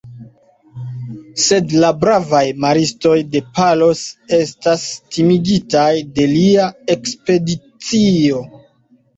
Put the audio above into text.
Sed la bravaj maristoj de Palos estas timigitaj de lia ekspedicio.